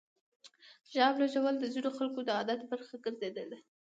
ژاوله ژوول د ځینو خلکو د عادت برخه ګرځېدلې ده.